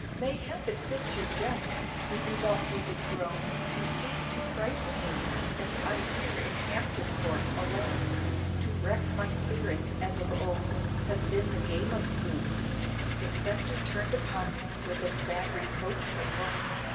Mayhap it fits your jest, with elongated groan, To seek to fright me, as I'm here in Hampton Court alone, To wreck my spirits as of old has been the game of spook," The spectre turned upon me with a sad reproachful look.